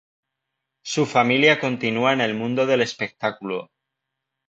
Su familia continúa en el mundo del espectáculo.